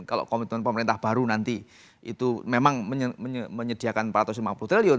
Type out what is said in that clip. kalau komitmen pemerintah baru nanti itu memang menyediakan empat ratus lima puluh triliun